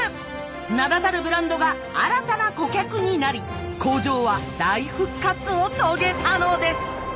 名だたるブランドが新たな顧客になり工場は大復活を遂げたのです。